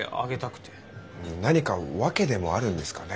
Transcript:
何か訳でもあるんですかねえ。